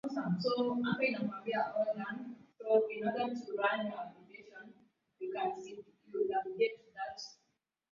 unaweza kumenya kabla ya kula